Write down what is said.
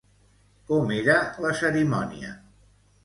Com era la cerimònia?